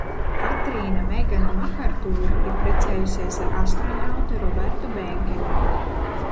Katrīna Megana Makartūra ir precējusies ar astronautu Robertu Bēnkenu.